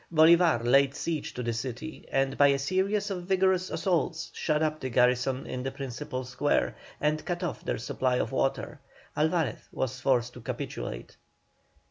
Bolívar laid siege to the city, and by a series of vigorous assaults shut up the garrison in the principal square, and cut off their supply of water. Alvarez was forced to capitulate.